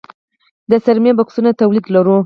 د څرمي بکسونو تولید لرو؟